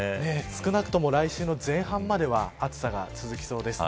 少なくとも来週の前半までは暑さが続きそうです。